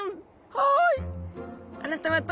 「はい。